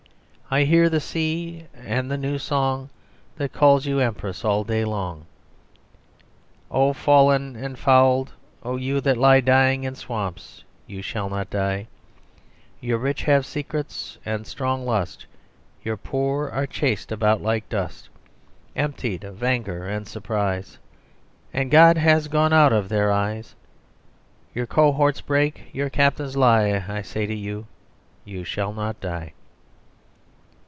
I hear the sea and the new song that calls you empress all day long. "(O fallen and fouled! O you that lie Dying in swamps you shall not die, Your rich have secrets, and stronge lust, Your poor are chased about like dust, Emptied of anger and surprise And God has gone out of their eyes, Your cohorts break your captains lie, I say to you, you shall not die.)"